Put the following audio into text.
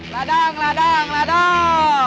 ladang ladang ladang